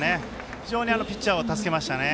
非常にピッチャーを助けましたね。